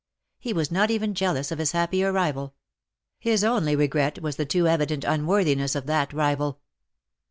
He was not even jealous of his happier rival ; his only regret was the too evident unworthiness of that rival.